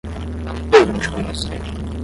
Não me pergunte como eu sei.